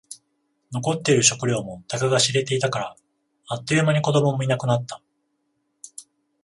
残っている食料もたかが知れていたから。あっという間に子供もいなくなった。